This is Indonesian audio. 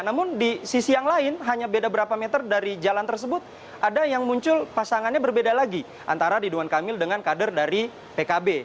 namun di sisi yang lain hanya beda berapa meter dari jalan tersebut ada yang muncul pasangannya berbeda lagi antara ridwan kamil dengan kader dari pkb